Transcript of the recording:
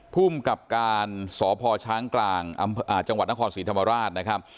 ภูมิกับการสพช้างกลางจังหวัดนครศรีธรรมราชนะครับ